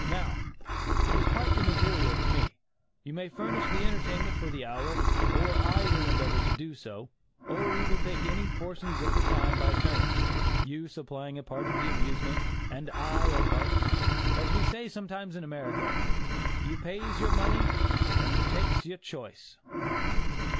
Now, it is quite immaterial to me; you may furnish the entertainment for the hour, or I will endeavor to do so, or we will take portions of the time by turns you supplying a part of the amusement, and I a part; as we say sometimes in America, 'you pays your money, and you takes your choice.